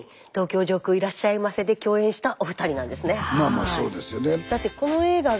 まあまあそうですよね。